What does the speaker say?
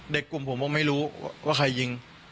เด็กกลุ่มผมบอกไม่รู้ว่าใครยิง